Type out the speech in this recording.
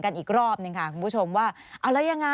สนุนโดยน้ำดื่มสิง